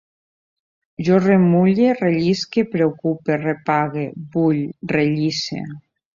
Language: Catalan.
Jo remulle, rellisque, preocupe, repague, vull, rellisse